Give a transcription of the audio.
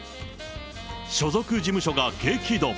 所属事務所が激怒。